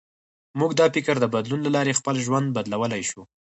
موږ د فکر د بدلون له لارې خپل ژوند بدلولی شو.